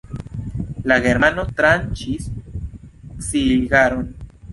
La germano tranĉis cigaron.